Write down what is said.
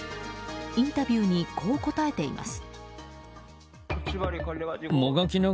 インタビューにこう答えています。